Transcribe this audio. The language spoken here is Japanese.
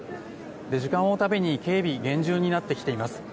時間を追うたびに警備が厳重になってきています。